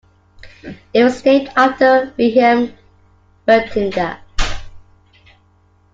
It was named after Wilhelm Wirtinger.